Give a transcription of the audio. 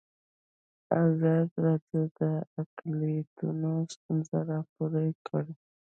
ازادي راډیو د اقلیتونه ستونزې راپور کړي.